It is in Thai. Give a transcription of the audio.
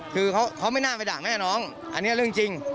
คือเขาไม่น่าไปด่าแม่น้องอันนี้เรื่องจริง